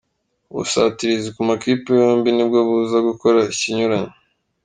Ubusatirizi ku makipe yombi nibwo buza gukora ikinyuranyo.